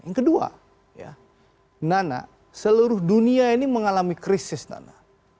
yang kedua nona seluruh dunia ini mengalami krisis nona